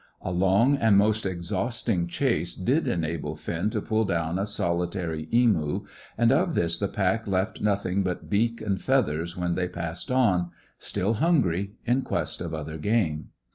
A long and most exhausting chase did enable Finn to pull down a solitary emu, and of this the pack left nothing but beak and feathers when they passed on, still hungry, in quest of other game.